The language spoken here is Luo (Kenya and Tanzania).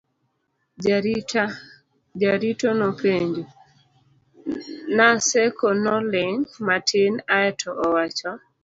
jarito nopenjo .Naseko noling' matin ae to owacho